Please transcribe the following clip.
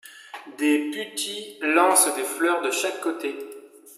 Des putti lancent des fleurs de chaque côté.